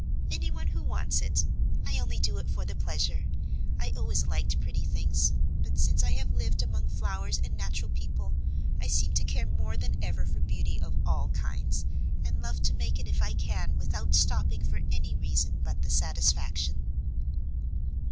"Any one who wants it. I only do it for the pleasure: I always liked pretty things; but, since I have lived among flowers and natural people, I seem to care more than ever for beauty of all kinds, and love to make it if I can without stopping for any reason but the satisfaction."